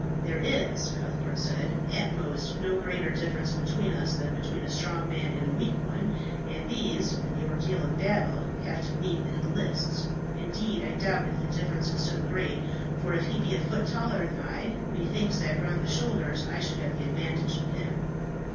"There is," Cuthbert said, "at most no greater difference between us than between a strong man and a weak one, and these, in the ordeal of battle, have to meet in the lists. Indeed I doubt if the difference is so great, for if he be a foot taller than I, methinks that round the shoulders I should have the advantage of him."